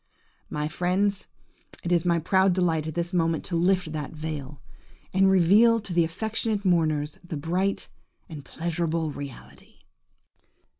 My friends, it is my proud delight at this moment to lift that veil, and reveal to the affectionate mourners the bright and pleasurable reality!